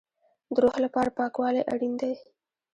د روح لپاره پاکوالی اړین دی